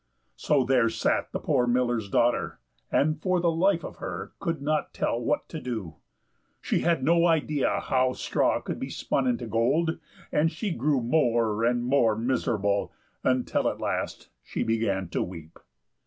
So there sat the poor miller's daughter, and for the life of her could not tell what to do; she had no idea how straw could be spun into gold, and she grew more and more miserable, until at last she began to weep.